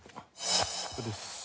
これです。